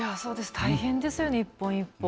大変ですよね、一本一本。